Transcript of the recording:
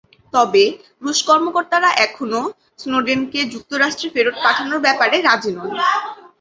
তবে রুশ কর্মকর্তারা এখনো স্নোডেনকে যুক্তরাষ্ট্রে ফেরত পাঠানোর ব্যাপারে রাজি নন।